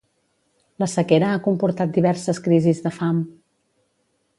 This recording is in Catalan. La sequera ha comportat diverses crisis de fam.